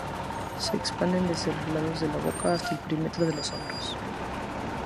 Se extienden desde los lados de la boca hasta el perímetro de los hombros.